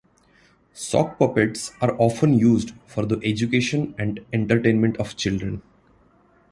Sock puppets are often used for the education and entertainment of children.